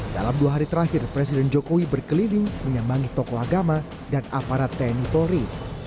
dalam dua hari terakhir presiden jokowi berkeliling menyambangi tokoh agama dan aparat tni polri